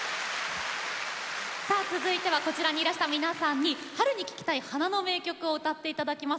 さあ続いてはこちらにいらした皆さんに春に聴きたい花の名曲を歌っていただきます。